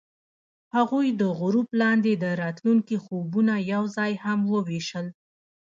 هغوی د غروب لاندې د راتلونکي خوبونه یوځای هم وویشل.